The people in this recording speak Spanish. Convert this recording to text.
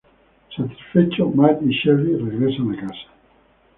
Satisfecho, Matt y Shelby regresan a casa.